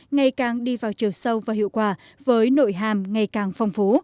ngày càng đi vào chiều sâu và hiệu quả với nội hàm ngày càng phong phú